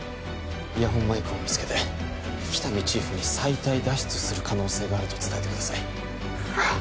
イヤホンマイクを見つけて喜多見チーフに臍帯脱出する可能性があると伝えてください